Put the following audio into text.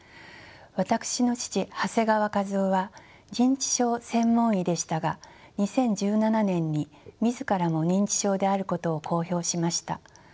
私の父長谷川和夫は認知症専門医でしたが２０１７年に自らも認知症であることを公表しました。